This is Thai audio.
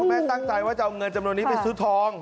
แม่ตั้งใจว่าจะเอาเงินจำนวนนี้ไปซื้อทอง